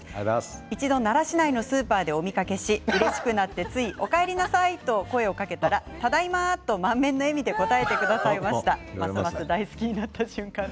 一度、奈良市内のスーパーでお見かけし、うれしくなってお帰りなさいと声をかけたらただいまと満面の笑みで答えてくださってますます大好きになりました。